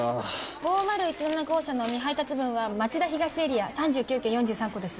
５０１７号車の未配達分は町田東エリア３９軒４３個です。